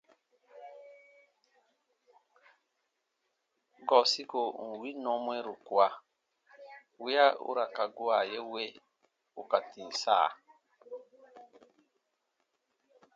Gɔɔ siko ù n win nɔɔ mwɛɛru kua wiya u ra ka gua ye we ù ka tìm sa.